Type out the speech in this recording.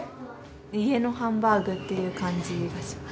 家のハンバーグっていう感じがします。